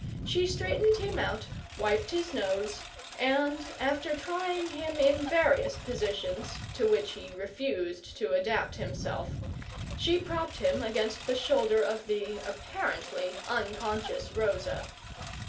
She straightened him out, wiped his nose, and, after trying him in various positions, to which he refused to adapt himself, she propped him against the shoulder of the (apparently) unconscious Rosa.